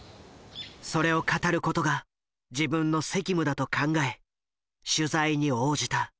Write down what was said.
それを語る事が自分の責務だと考え取材に応じた。